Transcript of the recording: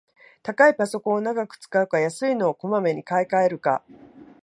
高いパソコンを長く使うか、安いのをこまめに買いかえるか